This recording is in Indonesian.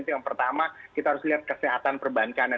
itu yang pertama kita harus lihat kesehatan perbankan